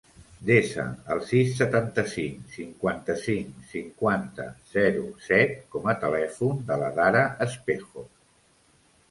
Desa el sis, setanta-cinc, cinquanta-cinc, cinquanta, zero, set com a telèfon de l'Adara Espejo.